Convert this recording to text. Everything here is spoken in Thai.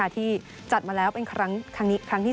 ที่จัดมาแล้วเป็นครั้งนี้ครั้งที่๓